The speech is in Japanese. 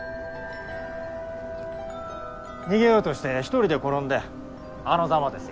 逃げようとして一人で転んであのざまですよ。